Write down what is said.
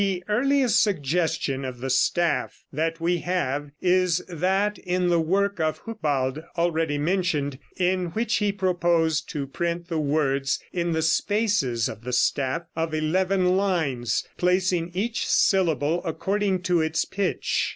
] The earliest suggestion of the staff that we have is that in the work of Hucbald already mentioned, in which he proposed to print the words in the spaces of the staff of eleven lines, placing each syllable according to its pitch (p.